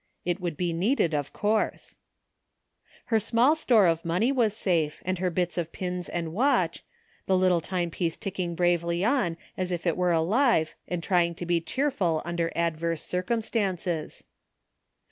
It would be needed, of course Her small store of money was safe, and her bits of pins and watch, the little timepiece ticking bravely on as if it were alive and trying to be cheerful under adverse circumstances.